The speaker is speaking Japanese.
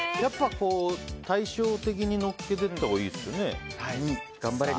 対照的に乗っけていった方がいいですよね。